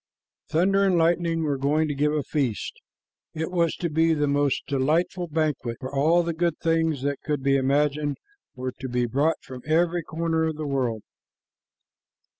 Thunder and Lightning were going to give a feast. It was to be a most delightful banquet, for all the good things that could be imagined were to be brought from every corner of the world.